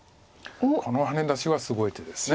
このハネ出しはすごい手です。